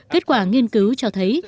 kết quả nghiên cứu cho thấy